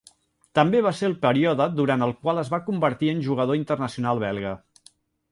També va ser el període durant el qual es va convertir en jugador internacional belga.